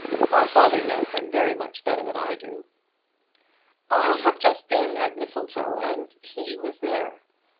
My father knows him very much better than I do." "I have just been at Mistletoe, and he was there.